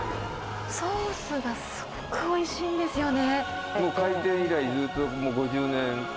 ソースがすごくおいしいんですよね。